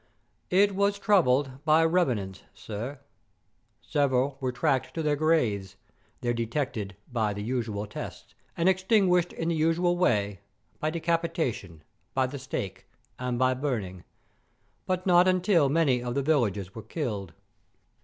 "It was troubled by revenants, sir; several were tracked to their graves, there detected by the usual tests, and extinguished in the usual way, by decapitation, by the stake, and by burning; but not until many of the villagers were killed.